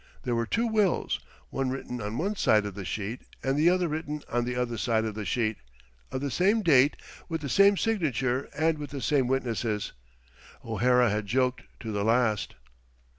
There were two wills, one written on one side of the sheet and the other written on the other side of the sheet, of the same date, with the same signature, and with the same witnesses. O'Hara had joked to the last.